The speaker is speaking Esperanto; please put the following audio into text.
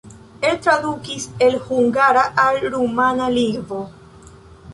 Li tradukis el hungara al rumana lingvo.